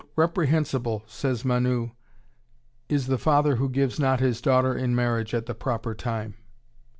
"Reprehensible," says Manu, "is the father who gives not his daughter in marriage at the proper time."